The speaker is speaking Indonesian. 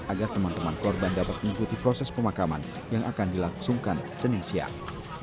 agar teman teman korban dapat mengikuti proses pemakaman yang akan dilangsungkan senin siang